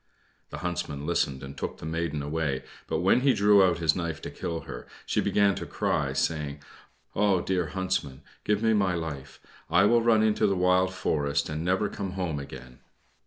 The Huntsman listened and took the maiden away, but when he drew out his knife to kill her, she began to cry, saying, "Ah, dear Huntsman, give me my life! I will run into the wild forest, and never come home again."